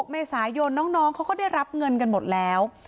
เมษายนน้องเขาก็ได้รับเงินกันหมดแล้ว